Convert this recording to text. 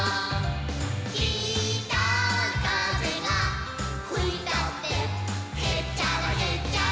「きたかぜがふいたってへっちゃらへっちゃら」